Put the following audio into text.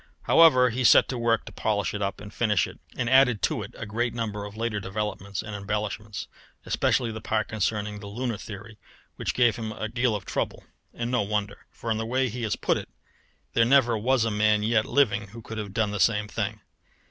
However, he set to work to polish it up and finish it, and added to it a great number of later developments and embellishments, especially the part concerning the lunar theory, which gave him a deal of trouble and no wonder; for in the way he has put it there never was a man yet living who could have done the same thing.